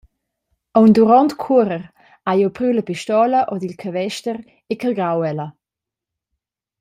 Aunc duront cuorer hai jeu priu la pistola ord il cavester e cargau ella.